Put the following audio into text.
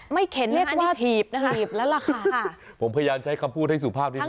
ไม่เข็นนะอันนี้ถีบถีบแล้วล่ะค่ะผมพยายามใช้คำพูดให้สูงภาพที่สุด